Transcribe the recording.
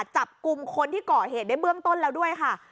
จับกลุ่มคนที่ก่อเหตุได้เบื้องต้นแล้วด้วยค่ะ